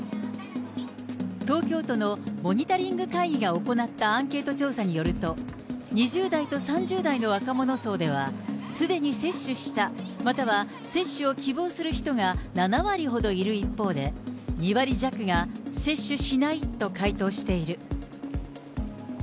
東京都のモニタリング会議が行ったアンケート調査によると、２０代と３０代の若者層では、すでに接種した、または接種を希望する人が７割ほどいる一方で、２割弱が接種しないと回答している。